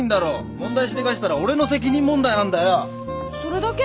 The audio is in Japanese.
問題しでかしたら俺の責任問題なんだよ。それだけ？